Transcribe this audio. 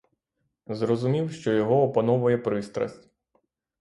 Зрозумів, що його опановує пристрасть.